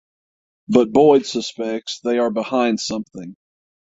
But Boyd suspects they are behind something.